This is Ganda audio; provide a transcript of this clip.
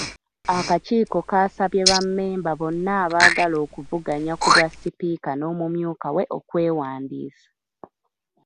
Akakiiko kaasabye bammemba bonna abaagala okuvuganya ku bwa sipiika n’omumyuka we okwewandiisa.